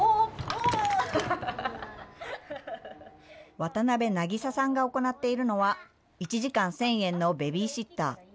渡辺渚さんが行っているのは、１時間１０００円のベビーシッター。